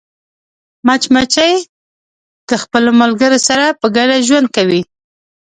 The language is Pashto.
مچمچۍ د خپلو ملګرو سره په ګډه ژوند کوي